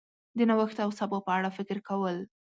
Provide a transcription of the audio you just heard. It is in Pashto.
د نوښت او سبا په اړه فکر کول